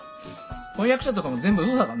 婚約者とかも全部嘘だかんな。